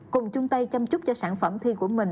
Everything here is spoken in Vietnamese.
cùng chung tay chăm chúc cho sản phẩm thi của mình